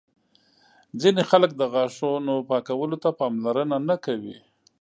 ځینې خلک د غاښونو پاکولو ته پاملرنه نه کوي.